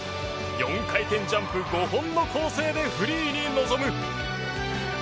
４回転ジャンプ５本の構成でフリーに臨む。